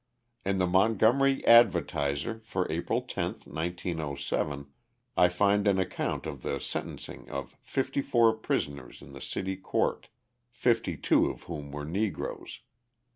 In the Montgomery Advertiser for April 10, 1907, I find an account of the sentencing of fifty four prisoners in the city court, fifty two of whom were Negroes.